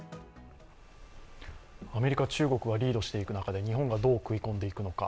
アメリカ、中国がリードしていく中で、日本がどう食い込んでいくのか。